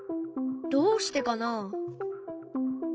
どうしてかな？